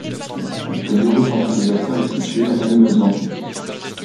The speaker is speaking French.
Le bureau centralisateur est situé à Lannemezan.